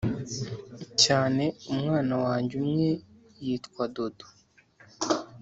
cyane. umwana wanjye umwe yitwa dodo.